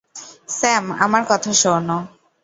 Sam, আমার কথা শোন!